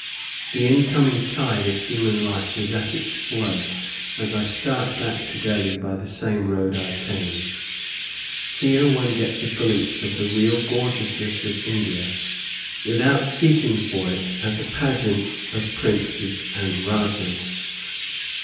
The incoming tide of human life is at its flood as I start back to Delhi by the same road I came. Here one gets a glimpse of the real gorgeousness of India without seeking for it at the pageants of princes and rajahs.